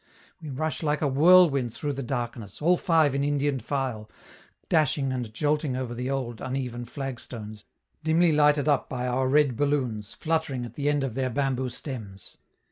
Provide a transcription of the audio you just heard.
We rush like a whirlwind through the darkness, all five in Indian file, dashing and jolting over the old, uneven flagstones, dimly lighted up by our red balloons fluttering at the end of their bamboo stems.